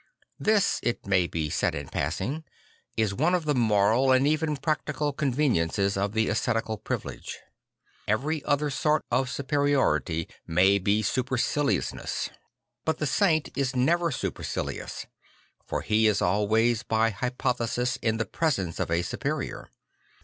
This, it may be said in passing, is one of the moral and even practical conven iences of the ascetical privilege. Every other sort of superiority may be superciliousness. 'Ihe Mirror of Christ 141 But the saint is never supercilious, for he is always by hypothesis in the presence of a superior.